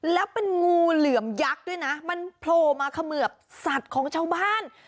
แล้วเป็นงูเหลือมยักษ์ด้วยนะมันโผล่มาเขมือบสัตว์ของชาวบ้าน